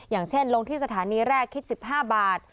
อย่างเช่นลงที่สถานีแรกคิด๑๕บาท